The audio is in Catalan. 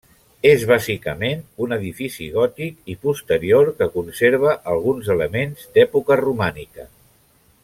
És bàsicament un edifici gòtic i posterior que conserva alguns elements d'època romànica.